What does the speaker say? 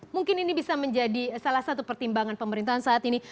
mungkin ini bisa menjadi salah satu pertimbangan pemerintahan saat ini